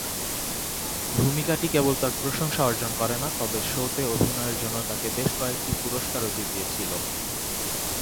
ভূমিকাটি কেবল তার প্রশংসা অর্জন করে না তবে শোতে অভিনয়ের জন্য তাকে বেশ কয়েকটি পুরস্কারও জিতিয়েছিল।